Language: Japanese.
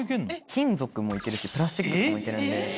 金属も行けるしプラスチックも行けるんで。